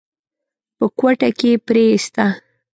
په کوټه کې يې پريېسته.